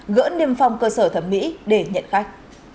gỡ niêm phong cơ sở thẩm mỹ để nhận khách